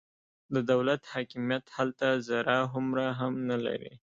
د دولت حاکمیت هلته ذره هومره هم نه لري.